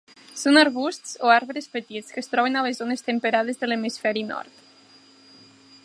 Són arbusts o arbres petits que es troben a les zones temperades de l'hemisferi nord.